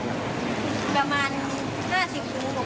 ประมาณ๕๐๖๐ใบ